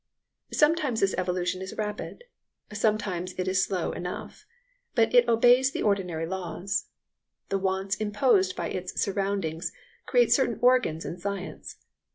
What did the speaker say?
Sometimes this evolution is rapid, sometimes it is slow enough; but it obeys the ordinary laws. The wants imposed by its surroundings create certain organs in science.